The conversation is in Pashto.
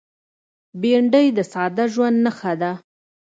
بېنډۍ د ساده ژوند نښه ده